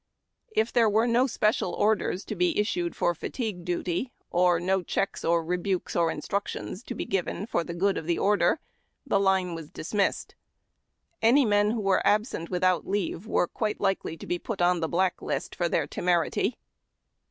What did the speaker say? If there were no special orders to be issued for fatigue duty, or no checks or rebukes or instructions to be given "• for the good of the order," tlie line was dismissed. Any men who were absent without leave were quite likely to be put on the Black List for their temerity.